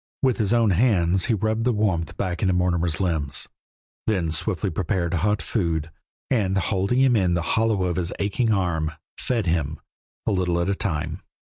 With his own hands he rubbed the warmth back into Mortimer's limbs, then swiftly prepared hot food, and, holding him in the hollow of his aching arm, fed him, a little at a time.